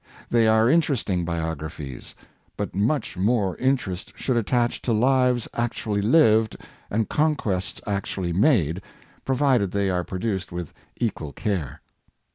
They are interesting biographies. But much more interest should attach to lives actually lived and conquests actually made, provided they are produced with equal care.